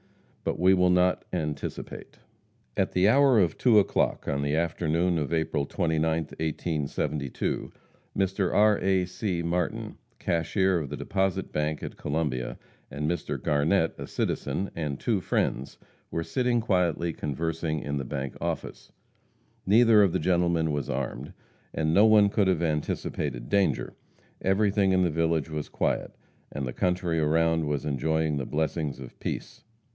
But we will not anticipate. At the hour of two o'clock, on the afternoon of April 29th, 1872, Mr. R. A. C. Martin, cashier of the Deposit Bank at Columbia, and Mr. Garnett, a citizen, and two friends, were sitting quietly conversing in the bank office. Neither of the gentlemen was armed, and no one could have anticipated danger. Everything in the village was quiet, and the country around was enjoying the blessings of peace.